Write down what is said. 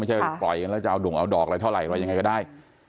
ไม่ใช่ปล่อยแล้วจะเอาด่วงเอาดอกอะไรเท่าไหร่อย่างไรก็ได้